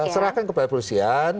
serahkan kepada polisian